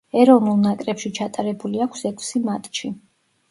ეროვნულ ნაკრებში ჩატარებული აქვს ექვსი მატჩი.